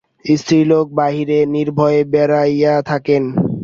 স্ত্রীলোক বাহিরে নির্ভয়ে বেড়াইয়া থাকেন।